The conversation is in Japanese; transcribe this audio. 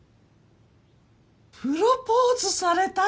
プロポーズされた！？